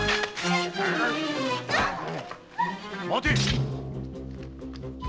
・待て！